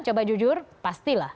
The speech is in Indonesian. coba jujur pastilah